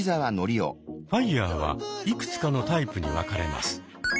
ＦＩＲＥはいくつかのタイプに分かれます。